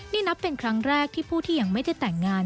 นี่นับเป็นครั้งแรกที่ผู้ที่ยังไม่ได้แต่งงาน